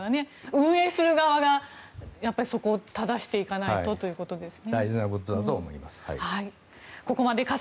運営する側がそこを正していかないとということですね。